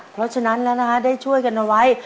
เพราะฉะนั้นแล้วนะฮะได้ช่วยกันเอาไว้